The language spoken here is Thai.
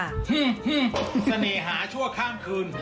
เสน่หาชั่วข้างคืน